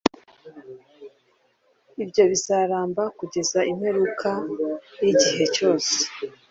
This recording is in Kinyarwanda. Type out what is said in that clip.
ibyo bizaramba kugeza imperuka yigihe cyose